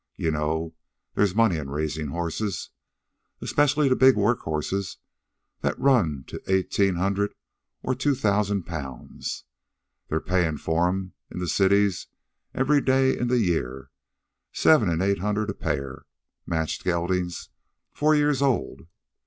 You know, there's money in raisin' horses especially the big workhorses that run to eighteen hundred an' two thousand pounds. They're payin' for 'em, in the cities, every day in the year, seven an' eight hundred a pair, matched geldings, four years old.